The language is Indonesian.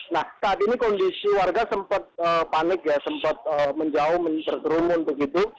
nah saat ini kondisi warga sempat panik ya sempat menjauh berkerumun begitu